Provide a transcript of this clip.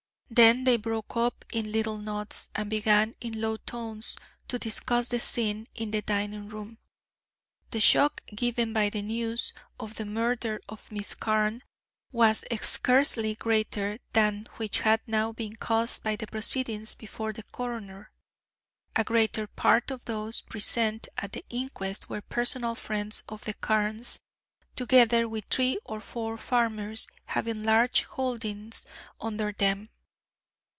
Then they broke up in little knots, and began in low tones to discuss the scene in the dining room. The shock given by the news of the murder of Miss Carne was scarcely greater than that which had now been caused by the proceedings before the coroner. A greater part of those present at the inquest were personal friends of the Carnes, together with three or four farmers having large holdings under them.